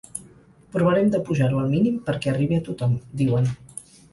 “Provarem d’apujar-ho al mínim perquè arribi a tothom”, diuen.